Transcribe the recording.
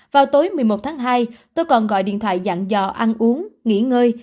vào tối một mươi một tháng hai tôi còn gọi điện thoại dặn dò ăn uống nghỉ ngơi